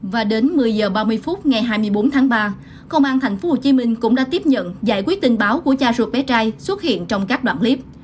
và đến một mươi h ba mươi phút ngày hai mươi bốn tháng ba công an tp hcm cũng đã tiếp nhận giải quyết tình báo của cha ruột bé trai xuất hiện trong các đoạn clip